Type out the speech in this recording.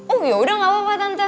oh yaudah gapapa tante